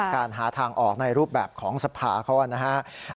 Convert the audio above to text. การหาทางออกในรูปแบบของสภาเขานะครับ